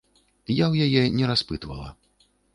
Я ў яе не распытвала.